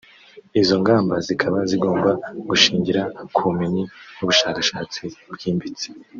Izo ngamba zikaba zigomba gushingira ku bumenyi n’ubushakashatsi bwimbitse